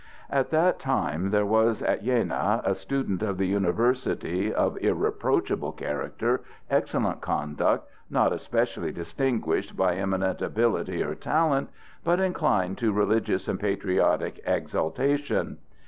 At that time there was at Jena a student of the University, of irreproachable character, excellent conduct, not especially distinguished by eminent ability or talent, but inclined to religious and patriotic exaltation.